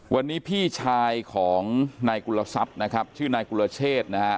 วันนี้พี่ชายของนายกุลทรัพย์นะครับชื่อนายกุลเชษนะฮะ